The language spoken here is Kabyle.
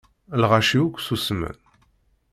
Lɣaci akk susmen.